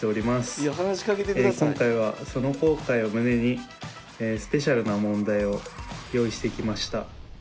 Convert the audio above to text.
今回はその後悔を胸にスペシャルな問題を用意してきました。